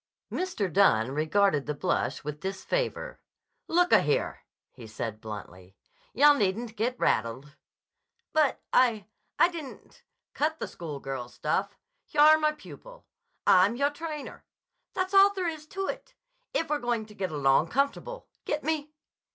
Mr. Dunne regarded the blush with disfavor. "Look a here," he said bluntly. "Yah, needn't get rattled." "But—I—I—didn't—" "Cut the school girl stuff. Yah'r my pupil. I'm yahr trainer. That's all there is to it, if we're going to get along comfortable. Get me?"